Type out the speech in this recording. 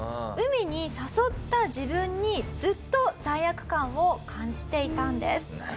海に誘った自分にずっと罪悪感を感じていたんです。